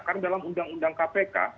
karena dalam undang undang kpk